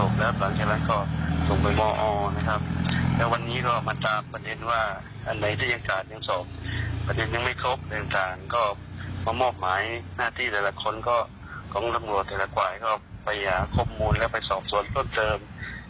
ก็ไปคบมูลและสอบสวนต้นเติม